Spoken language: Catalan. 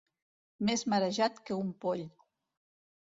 Més marejat que un poll.